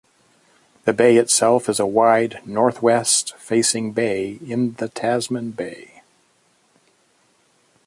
The bay itself is a wide, northwest-facing bay in the Tasman Bay.